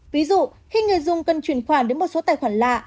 ví dụ khi người dùng cần chuyển khoản đến một số tài khoản lạ